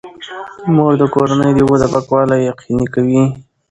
مور د کورنۍ د اوبو پاکوالی یقیني کوي.